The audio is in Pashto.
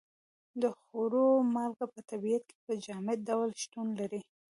د خوړو مالګه په طبیعت کې په جامد ډول شتون لري.